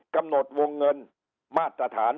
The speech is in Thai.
กำหนดวงเงินมาตรฐาน